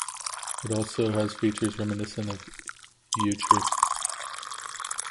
It also has features reminiscent of Euchre.